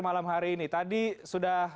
malam hari ini tadi sudah